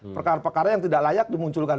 perkara perkara yang tidak layak dimunculkan